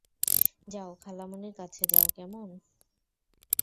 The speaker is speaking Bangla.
যাও, খালামণির কাছে যাও, কেমন?